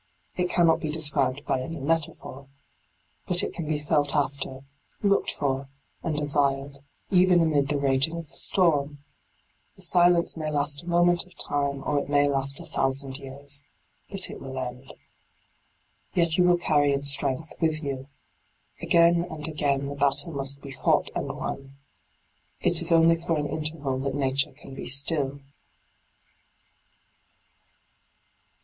It cannot be described by any metaphor. But it can be felt after, looked for, and desired, even amid the raging of the storm. The silence may last a moment of time or it may last a thousand years. But it will end. Yet you will carry its strength with you. Again and again the battle must be fought and won. It is only for an interval that Nature can be still.